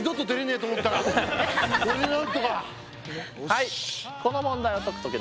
はい。